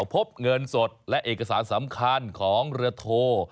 พบเงินสดและเอกสารสำคัญของเรือโท